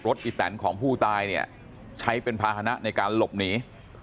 พากันขับรถอิตแตนของผู้ตายเนี่ยใช้เป็นภาษณะในการหลบหนี